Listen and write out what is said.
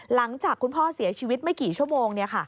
หลังจากคุณพ่อเสียชีวิตไม่กี่ชั่วโมง